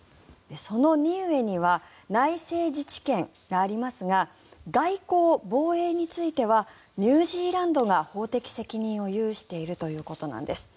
そのニウエには内政自治権がありますが外交・防衛についてはニュージーランドが法的責任を有しているということなんです。